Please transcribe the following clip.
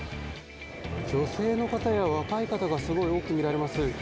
女性の方や若い方がすごい多く見られます。